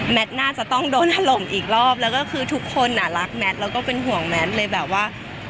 น่าจะต้องโดนถล่มอีกรอบแล้วก็คือทุกคนอ่ะรักแมทแล้วก็เป็นห่วงแมทเลยแบบว่า